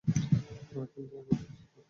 আমার কিন্তু অস্বস্তিবোধ হচ্ছে।